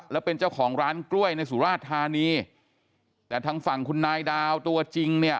แล้วเป็นเจ้าของร้านกล้วยในสุราชธานีแต่ทางฝั่งคุณนายดาวตัวจริงเนี่ย